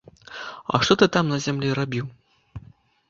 А што ты там на зямлі рабіў?